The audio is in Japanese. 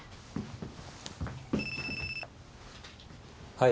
はい。